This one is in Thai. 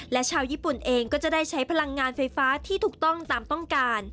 และชาวญี่ปุ่นเองก็จะได้ใช้พลังงานไฟฟ้าที่ถูกต้องตามต้องการ